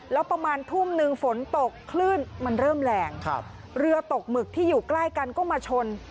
แล้วประมาณทุ่มนึงฝนตกคลื่นมันเริ่มแรงเรือตกหมึกที่อยู่ใกล้กันก็มาชน